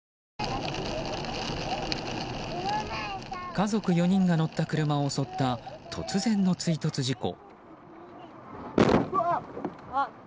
家族４人が乗った車を襲った突然の追突事故。